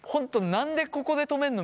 「何でここで止めんの？」